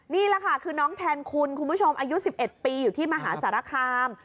นี่แหละค่ะคือน้องแทนคุณคุณผู้ชมอายุ๑๑ปีอยู่ที่มหาสารคาม